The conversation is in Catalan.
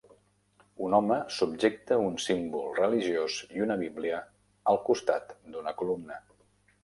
Un home subjecte un símbol religiós i una bíblia al costat d'una columna.